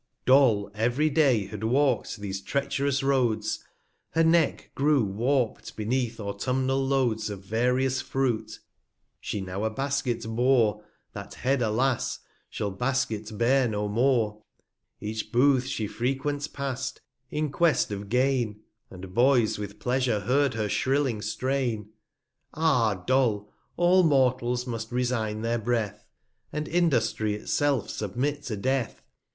/ ~7 /Do/// ev'ry Day had walk'd these treach'rous Roads ; Her Neck grew warpt beneath autumnal Loads 260 Of various Fruit; she now a Basket bore, That Head, alas ! shall Basket bear no more. Each Booth she frequent past, in quest of Gain, And Boys with pleasure heard her shrilling Strain. Ah Doll! all Mortals must resign their Breath, 265 And Industry it self submit to Death